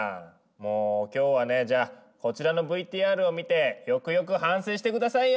もうきょうはねじゃあこちらのＶＴＲを見てよくよく反省してくださいよ！